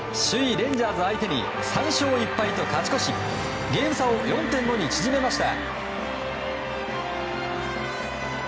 レンジャーズ相手に３勝１敗と勝ち越しゲーム差を４．５に縮めました。